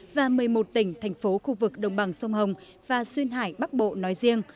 và một mươi một tỉnh thành phố khu vực đồng bằng sông hồng và xuyên hải bắc bộ nói riêng